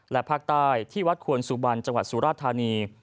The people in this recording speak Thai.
และภาคใต้ที่วัดควนสุบัญจสูราษฎร์ธาณี